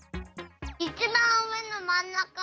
いちばんうえのまんなか。